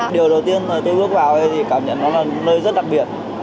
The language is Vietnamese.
điều đầu tiên tôi bước vào thì cảm nhận nó là nơi rất đặc biệt